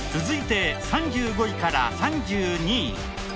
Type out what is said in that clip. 続いて３５位から３２位。